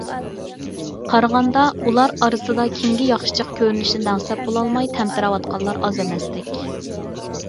قارىغاندا، ئۇلار ئارىسىدا كىمگە ياخشىچاق كۆرۈنۈشنى دەڭسەپ بولالماي تەمتىرەۋاتقانلار ئاز ئەمەستەك.